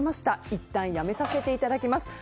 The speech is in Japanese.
いったん辞めさせていただきます。